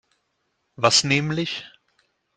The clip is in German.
Was nämlich?